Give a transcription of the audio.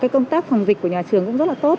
công tác phòng dịch của nhà trường cũng rất là tốt